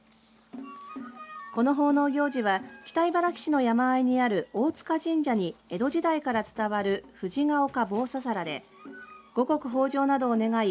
この奉納行事は北茨城市の山あいにある大塚神社に江戸時代から伝わる冨士ヶ丘棒ささらで五穀豊じょうなどを願い